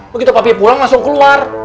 begitu papi pulang langsung keluar